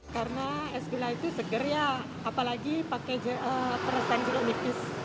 karena es gula itu segar ya apalagi pakai peresan gula nipis